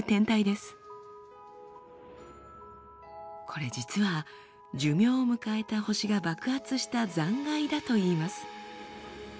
これ実は寿命を迎えた星が爆発した残骸だといいます。